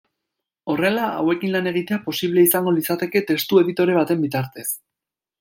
Horrela, hauekin lan egitea posible izango litzateke testu-editore baten bitartez.